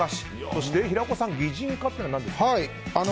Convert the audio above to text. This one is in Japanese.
そして、平子さん擬人化っていうのは何ですか？